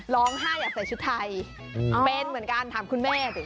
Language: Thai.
ร้องไห้อยากใส่ชุดไทยเป็นเหมือนกันถามคุณแม่สิ